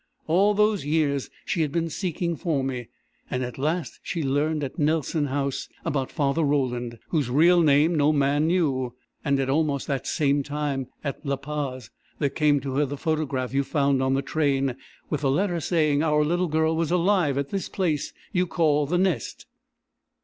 "All those years she had been seeking for me, and at last she learned at Nelson House about Father Roland, whose real name no man knew. And at almost that same time, at Le Pas, there came to her the photograph you found on the train, with a letter saying our little girl was alive at this place you call the Nest.